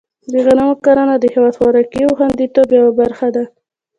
د غنمو کرنه د هېواد د خوراکي خوندیتوب یوه برخه ده.